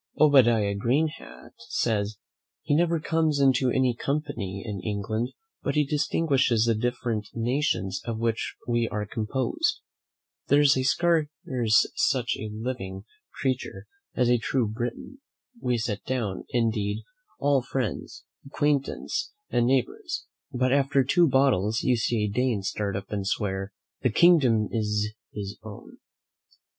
Obadiah Greenhat says, "he never comes into any company in England, but he distinguishes the different nations of which we are composed." There is scarce such a living creature as a true Briton. We sit down, indeed, all friends, acquaintance, and neighbours; but after two bottles you see a Dane start up and swear, "the kingdom is his own."